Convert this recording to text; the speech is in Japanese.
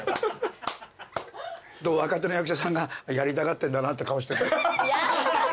若手の役者さんがやりたがってんだなって顔してた。